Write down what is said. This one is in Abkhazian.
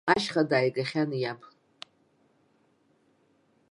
Ашьха дааигахьан иаб.